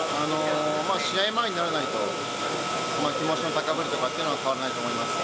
試合前にならないと、気持ちの高ぶりとかっていうのは、変わらないと思います。